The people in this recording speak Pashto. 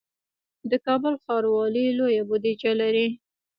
د کابل ښاروالي لویه بودیجه لري